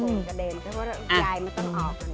มันกระเด็นเพราะว่ายายมันต้องออก